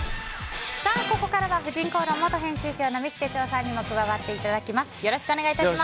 ここからは「婦人公論」元編集長の三木哲男さんにも加わっていただきます。